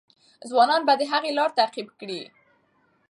ځوانان به د هغې لار تعقیب کړي.